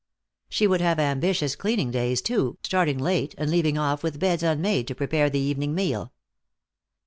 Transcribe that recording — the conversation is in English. She would have ambitious cleaning days, too, starting late and leaving off with beds unmade to prepare the evening meal.